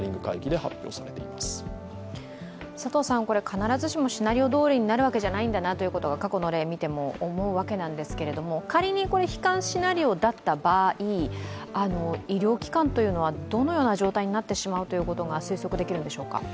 必ずしもシナリオどおりになるわけじゃないんだなというのが過去の例を見ても思うわけなんですけど、仮に悲観シナリオだった場合医療機関というのはどのような状態になってしまうということが推測できますか？